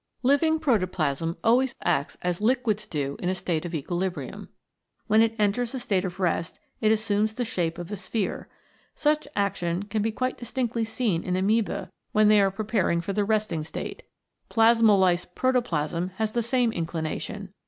Living protoplasm always acts as liquids do in a state of equilibrium. When it enters a state of rest it assumes the shape of a sphere. Such action can be quite distinctly seen in amoeba when they are 39 CHEMICAL PHENOMENA IN LIFE preparing for the resting state. Plasmolysed protoplasm has the same inclination.